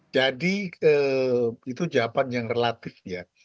jadi itu jawaban yang relatif ya